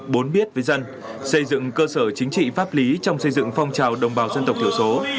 bốn biết với dân xây dựng cơ sở chính trị pháp lý trong xây dựng phong trào đồng bào dân tộc thiểu số